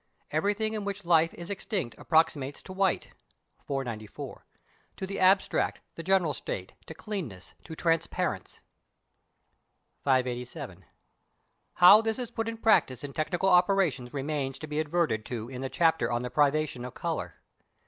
Everything in which life is extinct approximates to white (494), to the abstract, the general state, to clearness, to transparence. 587. How this is put in practice in technical operations remains to be adverted to in the chapter on the privation of colour.